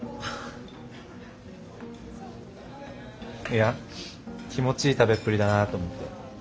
いや気持ちいい食べっぷりだなと思って。